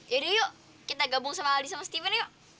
yaudah yuk kita gabung sama aldi sama steven yuk